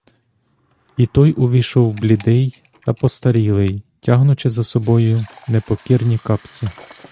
І той увійшов блідий та постарілий, тягнучи за собою непокірні капці.